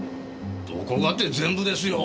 どこがって全部ですよ！